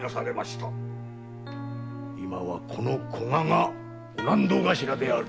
今はこの古賀が御納戸頭である。